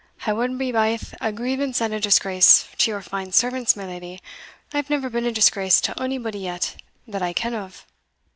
"I wad be baith a grievance and a disgrace to your fine servants, my leddy, and I have never been a disgrace to onybody yet, that I ken of."